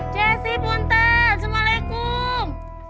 jesse puntan assalamualaikum